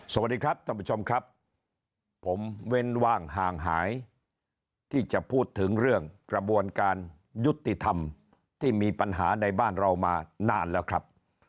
สวัสดีครับท่านผู้ชมครับผมเว้นว่างห่างหายที่จะพูดถึงเรื่องกระบวนการยุติธรรมที่มีปัญหาในบ้านเรามานานแล้วครับ